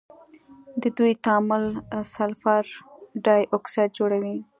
د دوی تعامل سلفر ډای اکسايډ جوړوي.